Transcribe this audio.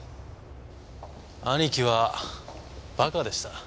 兄貴はバカでした。